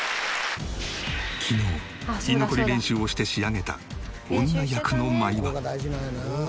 昨日居残り練習をして仕上げた女役の舞は。